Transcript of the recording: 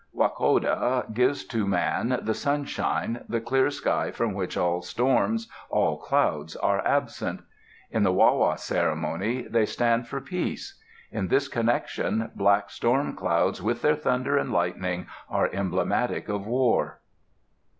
Wakoda gives to man the sunshine, the clear sky from which all storms, all clouds are absent; in the Wa´ wa ceremony, they stand for peace. In this connection, black storm clouds with their thunder and lightning are emblematic of war.